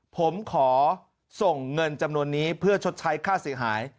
ผมขอส่งเงินจำนวนนี้เพื่อชดใช้ค่าเสียหาย